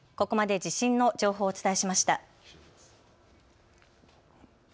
ここまで地震の情報をお伝えしました。